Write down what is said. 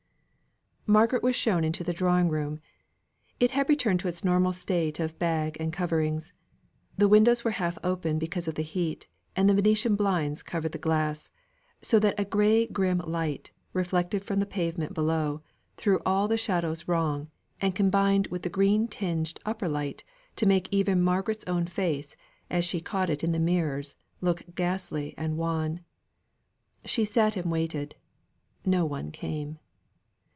Margaret was shown into the drawing room. It had returned into its normal state of bag and covering. The windows were half open because of the heat, and the Venetian blinds covered the glass, so that a gray grim light, reflected from the pavement below, threw all the shadows wrong, and combined with the green tinged upper light to make even Margaret's own face, as she caught it in the mirrors, look ghastly and wan. She sat and waited; no one came.